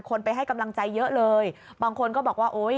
ไปให้กำลังใจเยอะเลยบางคนก็บอกว่าโอ้ย